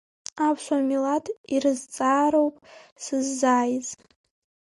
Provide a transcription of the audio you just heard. Аԥсуа милаҭ ирызҵаароуп сыззааиз.